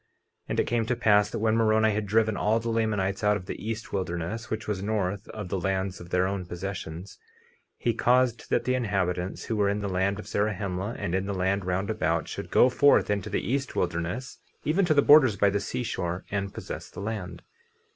50:9 And it came to pass that when Moroni had driven all the Lamanites out of the east wilderness, which was north of the lands of their own possessions, he caused that the inhabitants who were in the land of Zarahemla and in the land round about should go forth into the east wilderness, even to the borders by the seashore, and possess the land.